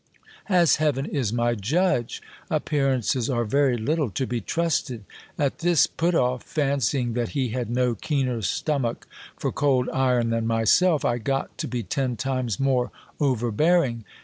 As heaven is my judge ! ap pearances are very little to be trusted. At this put off, fancying 'that he had no keener stomach for cold iron than myself, I got to be ten times more over bearing.